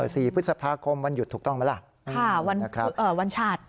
สี่พฤษภาคมวันหยุดถูกต้องไหมล่ะค่ะวันเอ่อวันชาติ